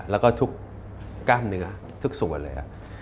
แล้วก็ทุกกล้ามเนื้อทุกส่วนเลย